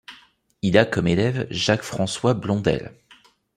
Il a comme élève Jacques-François Blondel.